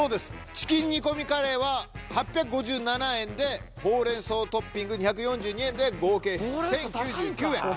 チキンにこみカレーは８５７円でほうれん草トッピング２４２円で合計１０９９円